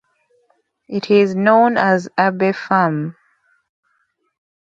It is now known as Abbey Farm.